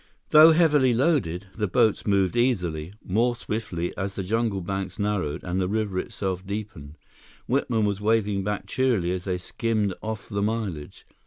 Though heavily loaded, the boats moved easily, more swiftly as the jungle banks narrowed and the river itself deepened. Whitman was waving back cheerily as they skimmed off the mileage.